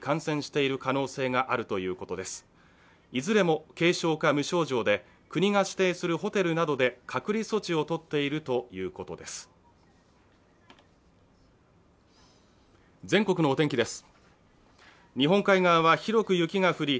いずれも軽症か無症状で、国が指定するホテルなどで隔離措置をとっているということです。